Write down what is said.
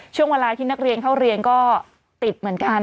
ช่วงเวลาที่นักเรียนเข้าเรียนก็ติดเหมือนกัน